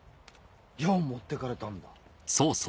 矢を持ってかれたんだ？